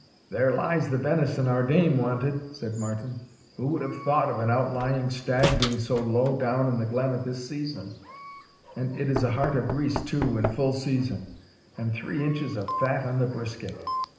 "There lies the venison our dame wanted," said Martin; "who would have thought of an out lying stag being so low down the glen at this season? And it is a hart of grease too, in full season, and three inches of fat on the brisket.